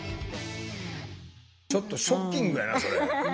ちょっとショッキングやなそれ。